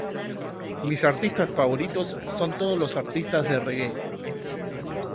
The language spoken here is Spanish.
Mis artistas favoritos son todos los artistas de reggae.